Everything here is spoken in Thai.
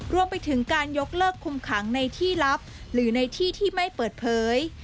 รวมไปถึงการยกเลิกคุมขังในที่ลับหรือในที่ที่ไม่เปิดเผย